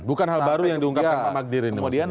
bukan hal baru yang diungkapkan pak magdir ini